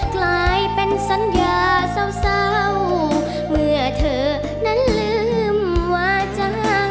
กลายเป็นสัญญาเศร้าเมื่อเธอนั้นลืมวาจา